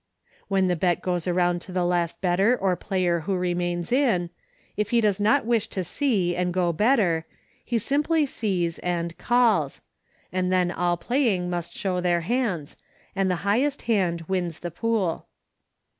When the bet goes around to the last better or player who remains in, if he does not wish to see and go better, he simply sees and " calls," and then all playing must show their hands, and the highest hand wins the pool.